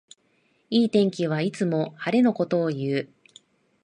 いい天気はいつも晴れのことをいう